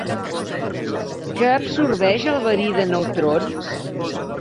Què absorbeix el verí de neutrons?